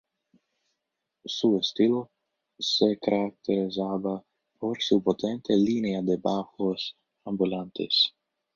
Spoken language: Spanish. Su estilo se caracterizaba por su potente línea de bajos ambulantes.